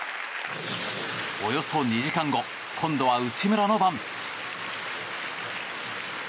およそ２時間後今度は内村の番。